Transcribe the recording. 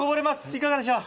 いかがでしょう？